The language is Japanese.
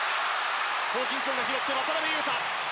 ホーキンソンが拾って渡邊雄太。